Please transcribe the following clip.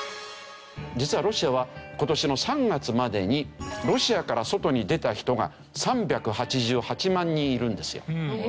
実はロシアは今年の３月までにロシアから外に出た人が３８８万人いるんですよ。